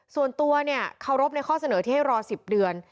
ส่วนตัวเนี่ยเคารพในข้อเสนอที่ให้รอ๑๐เดือน